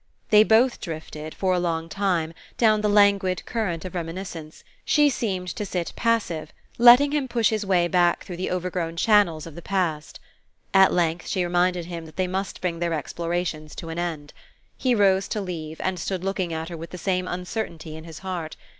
They both drifted, for a long time, down the languid current of reminiscence; she seemed to sit passive, letting him push his way back through the overgrown channels of the past. At length she reminded him that they must bring their explorations to an end. He rose to leave, and stood looking at her with the same uncertainty in his heart.